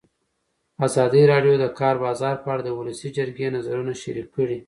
ازادي راډیو د د کار بازار په اړه د ولسي جرګې نظرونه شریک کړي.